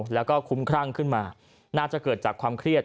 แล้วก็คุ้มครั่งขึ้นมาน่าจะเกิดจากความเครียด